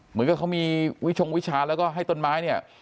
เหมือนกับเขามีวิชงวิชาแล้วก็ให้ต้นไม้เนี่ย